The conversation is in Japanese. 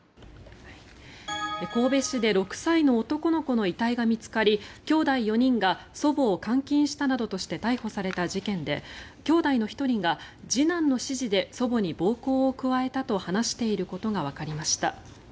神戸市で６歳の男の子の遺体が見つかりきょうだい４人が祖母を監禁したなどとして逮捕された事件できょうだいの１人が次男の指示で祖母に暴行を加えたと話していることがわかりました。